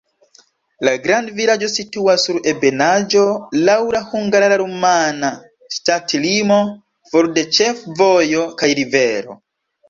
La grandvilaĝo situas sur ebenaĵo, laŭ la hungara-rumana ŝtatlimo, for de ĉefvojo kaj rivero.